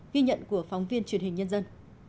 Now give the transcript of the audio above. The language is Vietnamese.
ghi nhận của phóng viên truyền hình nhân dân